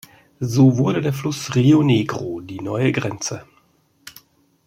So wurde der Fluss Rio Negro die neue Grenze.